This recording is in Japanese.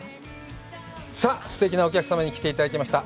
さあ、すてきなお客様に来ていただきました。